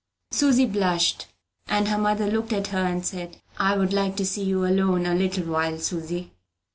Susy blushed; and her mother looked at her, and said, "I would like to see you alone a little while, Susy."